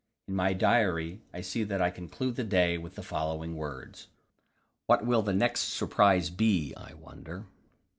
In my diary I see that I conclude the day with the following words "What will the next surprise be, I wonder?"